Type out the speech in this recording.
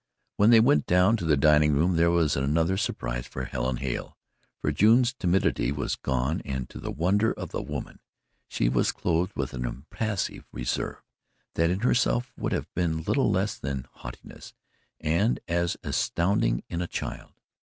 When they went down to the dining room, there was another surprise for Helen Hale, for June's timidity was gone and to the wonder of the woman, she was clothed with an impassive reserve that in herself would have been little less than haughtiness and was astounding in a child.